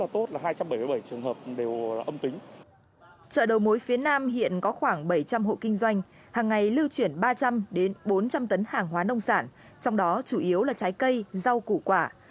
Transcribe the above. chợ đầu mối phía nam hiện có khoảng bảy trăm linh hộ kinh doanh hàng ngày lưu chuyển ba trăm linh bốn trăm linh tấn hàng hóa nông sản trong đó chủ yếu là trái cây rau củ quả